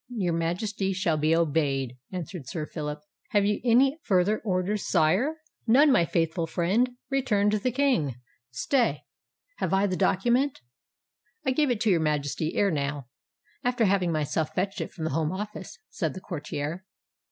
"Your Majesty shall be obeyed," answered Sir Phillip. "Have you any farther orders, sire?" "None, my faithful friend," returned the King. "Stay—have I the document?" "I gave it to your Majesty ere now, after having myself fetched it from the Home Office," said the courtier.